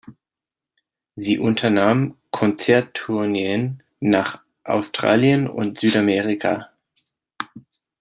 Sie unternahm Konzerttourneen nach Australien und Südamerika.